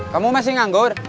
kamu masih nganggur